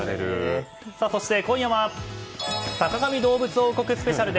そして、今夜は「坂上どうぶつ王国」スペシャル。